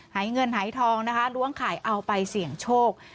หายเงินหายทองนะคะล้วงไข่เอาไปเสี่ยงโชค